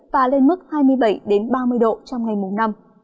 và lên mức hai mươi bảy ba mươi độ trong ngày mùng năm